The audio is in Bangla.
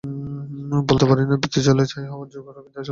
বলতে আমার পিত্তি জ্বলে ছাই হওয়ার জোগাড়, কিন্তু আসলেই ওকে ভালো দেখাচ্ছে।